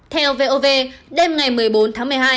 theo vov đêm ngày một mươi bốn tháng một mươi hai